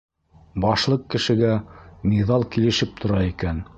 Башлыҡ кешегә миҙал килешеп тора икән.